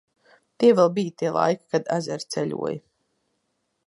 Tie vēl bija tie laiki, kad ezeri ceļoja.